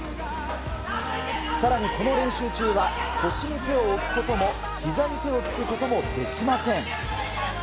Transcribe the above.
更にこの練習中は腰に手を置くこともひざに手をつくこともできません。